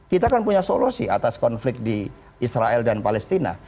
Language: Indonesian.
kita kan punya solusi atas konflik di israel dan palestina